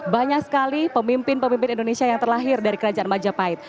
banyak sekali pemimpin pemimpin indonesia yang terlahir dari kerajaan majapahit